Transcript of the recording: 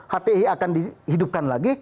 hti akan dihidupkan lagi